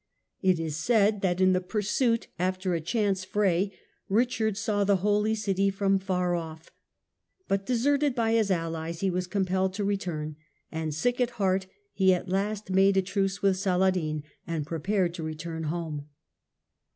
It is said that in the pursuit after a chance fray, Richard saw the Holy City from far off. But deserted by his allies, he was compelled to return, and sick at heart he at Fast made Hia reputa a truce with Saladin, and prepared to return tion. home.